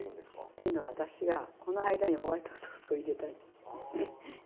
っていうのは私がこの間にホワイトソースを入れたい。